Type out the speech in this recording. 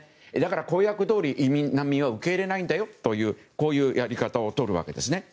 公約どおり移民・難民は受け入れないんだよというこういうやり方をとるわけです。